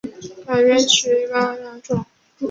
改编曲一般分为两种。